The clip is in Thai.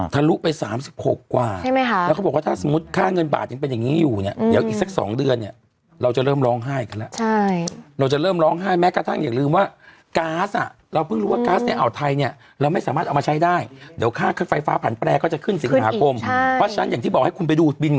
ทะลุไป๓๖กว่าใช่ไหมคะแล้วเขาบอกว่าถ้าสมมุติค่าเงินบาทยังเป็นอย่างนี้อยู่เนี่ยเดี๋ยวอีกสัก๒เดือนเนี่ยเราจะเริ่มร้องไห้กันแล้วใช่เราจะเริ่มร้องไห้แม้กระทั่งอย่าลืมว่าก๊าซอ่ะเราเพิ่งรู้ว่าก๊าซในอ่าวไทยเนี่ยเราไม่สามารถเอามาใช้ได้เดี๋ยวค่าไฟฟ้าผันแปรก็จะขึ้นสิงหาคมเพราะฉะนั้นอย่างที่บอกให้คุณไปดูบิน